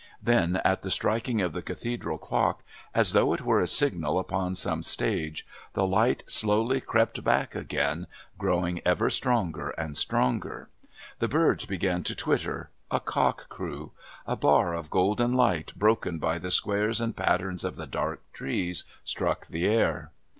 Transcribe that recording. Then, at the striking of the Cathedral clock, as though it were a signal upon some stage, the light slowly crept back again, growing ever stronger and stronger. The birds began to twitter; a cock crew. A bar of golden light broken by the squares and patterns of the dark trees struck the air.